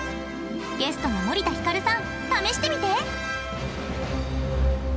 ゲストの森田ひかるさん試してみて！